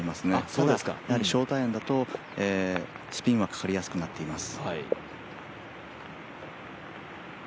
ただ、ショートアイアンだとスピンはかかりやすくなっています。